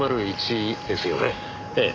ええ。